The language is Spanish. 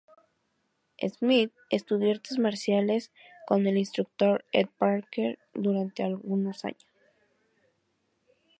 Smith estudió artes marciales con el instructor Ed Parker durante algunos años.